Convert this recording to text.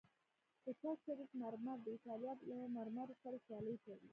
د چشت شریف مرمر د ایټالیا له مرمرو سره سیالي کوي